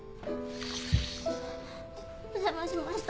お邪魔しました。